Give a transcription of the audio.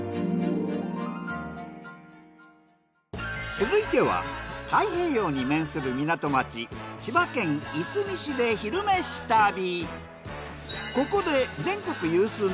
続いては太平洋に面する港町千葉県いすみ市で「昼めし旅」。